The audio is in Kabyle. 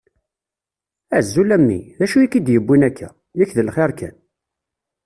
Azul a mmi! D acu i k-id-yuwin akka? Yak d lxir kan.